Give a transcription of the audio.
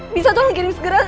bisa tolong kirim segera